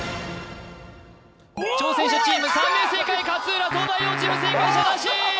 挑戦者チーム３名正解勝浦東大王チーム正解者なし！